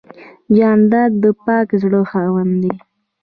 جانداد د پاک زړه خاوند دی.